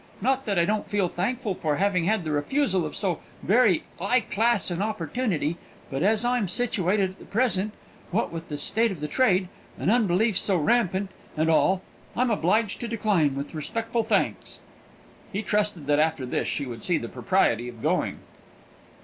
"Not that I don't feel thankful for having had the refusal of so very 'igh class an opportunity; but, as I'm situated at present what with the state of trade, and unbelief so rampant, and all I'm obliged to decline with respectful thanks." He trusted that after this she would see the propriety of going.